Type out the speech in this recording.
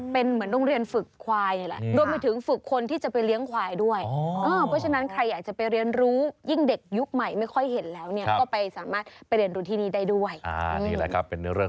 เป็นเหมือนโรงเรียนฝึกควายเลย